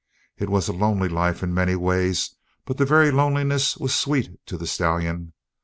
It was a lonely life in many ways but the very loneliness was sweet to the stallion.